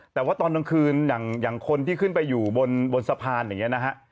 แต่ว่าตอนกลางคืนอย่างคนที่ขึ้นไปอยู่บนสะพานอย่างนี้นะฮะ